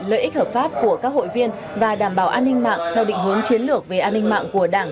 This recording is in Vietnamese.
lợi ích hợp pháp của các hội viên và đảm bảo an ninh mạng theo định hướng chiến lược về an ninh mạng của đảng